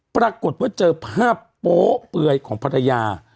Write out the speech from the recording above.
ปรากฏว่าเจอภาพโป๊เปลือยของภรรยา